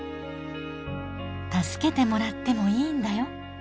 「助けてもらってもいいんだよ」。